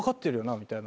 みたいな。